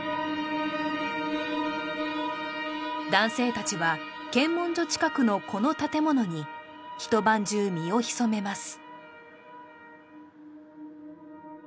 男性たちは検問所近くのこの建物に一晩中身を潜めます